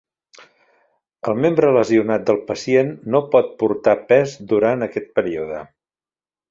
El membre lesionat del pacient no pot portar pes durant aquest període.